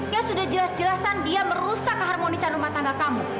ya sudah jelas jelasan dia merusak keharmonisan rumah tangga kamu